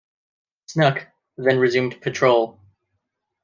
"Snook" then resumed patrol.